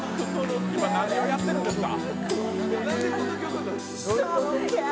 何をやってるんですか。